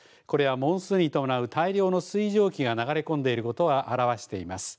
これはモンスーンに伴う大量の水蒸気が流れ込んでいることを表しています。